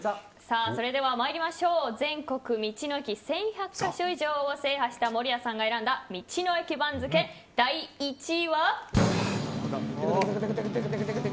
まいりましょう、全国の道の駅１１００か所以上制覇した守屋さんが選んだ道の駅番付第１位は。